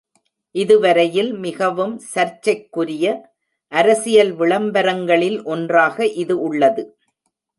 இதுவரையில் மிகவும் சர்ச்சைக்குரிய அரசியல் விளம்பரங்களில் ஒன்றாக இது உள்ளது.